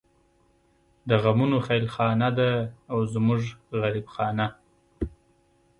د غمونو خېلخانه ده او زمونږ غريب خانه